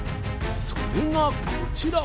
それがこちら！